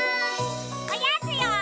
おやつよ！